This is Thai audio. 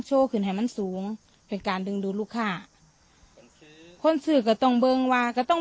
ขึ้นให้มันสูงเป็นการดึงดูลูกค้าคนซื้อก็ต้องเบิงวาก็ต้อง